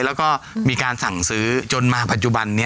แล้วก็มีการสั่งซื้อจนมาปัจจุบันนี้